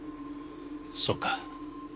そうか。